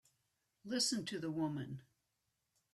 Listen to the woman!